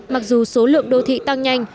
mặc dù số lượng đô thị tăng nhanh